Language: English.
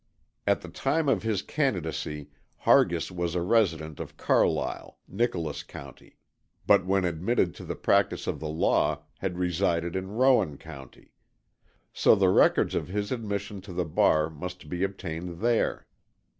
At the time of his candidacy Hargis was a resident of Carlisle, Nicholas County, but when admitted to the practice of the law had resided in Rowan County. So the records of his admission to the bar must be obtained there.